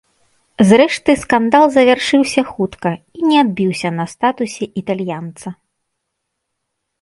Зрэшты скандал завяршыўся хутка і не адбіўся на статусе італьянца.